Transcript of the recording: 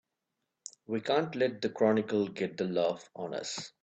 We can't let the Chronicle get the laugh on us!